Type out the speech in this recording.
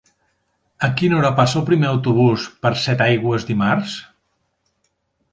A quina hora passa el primer autobús per Setaigües dimarts?